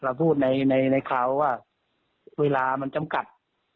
เราพูดในในข่าวว่าเวลามันจำกัด